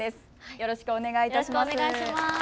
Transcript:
よろしくお願いします。